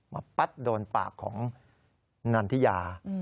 ปัดโดนปากของนันทิยา